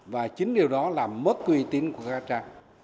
và chính điều đó là mất uy tín của cà trà